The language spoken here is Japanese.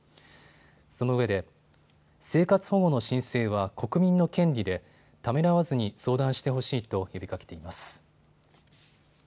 そのうえで生活保護の申請は国民の権利でためらわずに相談してほしいと呼びかけています。